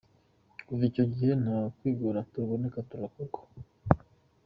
Kuva ico gihe nta twigoro tuboneka turakorwa.